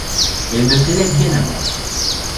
Elle me plaît bien à moi.